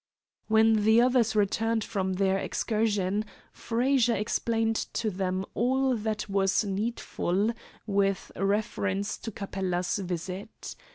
When the others returned from their excursion, Frazer explained to them all that was needful with reference to Capella's visit.